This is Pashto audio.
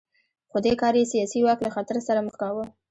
خو دې کار یې سیاسي واک له خطر سره مخ کاوه